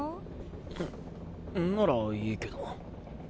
んっならいいけど。